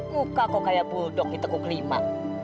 muka kau kayak buldog di teguk lima